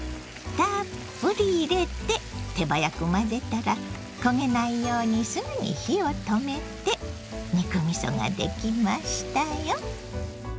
たっぷり入れて手早く混ぜたら焦げないようにすぐに火を止めて肉みそができましたよ。